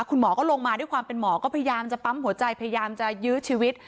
คุณหมอก็ลงมาด้วยความเป็นหมอก็พยายามจะปั๊มหัวใจพยายามจะยื้อชีวิต